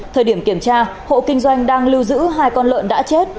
thời điểm kiểm tra hộ kinh doanh đang lưu giữ hai con lợn đã chết